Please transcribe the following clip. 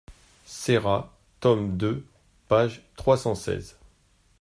Serra, tome II, page trois cent seize.